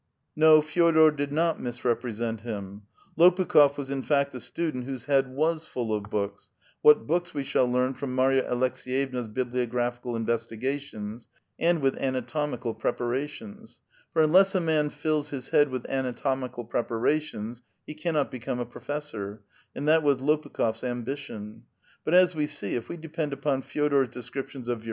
No, Fe6dor did not misrepresent him ; Lopukh6f was in fact a student whose head was full of books — what books we shall learn from Marya Aleks^yevna's bibliographical investigations — and with anatomical preparations ; for unless a man fills his head with anatomical preparations, he cannot become a professor, and that was Lopukh6f' s ambition. But, as we see, if we depend upon Fe6dor's descriptions of Vi